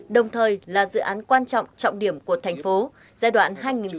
đồng thời là dự án quan trọng trọng điểm của thành phố giai đoạn hai nghìn hai mươi một hai nghìn hai mươi năm